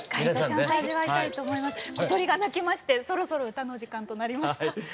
小鳥が鳴きましてそろそろ歌の時間となりました。